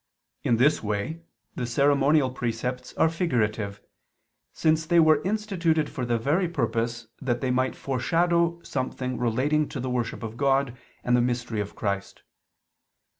In this way the ceremonial precepts are figurative; since they were instituted for the very purpose that they might foreshadow something relating to the worship of God and the mystery of Christ.